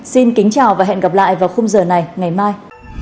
xin kính chào và hẹn gặp lại vào khung giờ này ngày mai